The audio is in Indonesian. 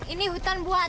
ini hutan buatan